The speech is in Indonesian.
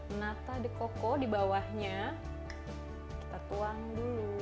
ada nata de coco di bawahnya kita tuang dulu